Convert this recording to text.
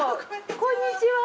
こんにちは。